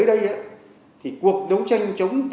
hãy đối tác với chúng tôi